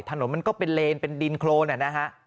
ถนนมันก็เป็นเลนเป็นดินโครเนี่ยนะฮะ